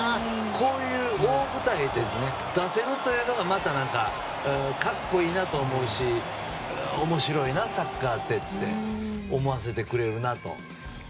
こういう大舞台で出せるというのがまた格好いいなと思うし面白いな、サッカーってと思わせてくれるなと。